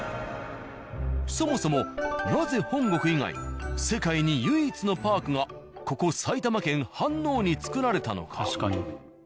そもそもなぜ本国以外世界に唯一のパークがここ埼玉県飯能に作られたのか？